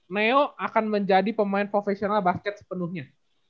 neo akan menjadi pemain profesional basket sepenuhnya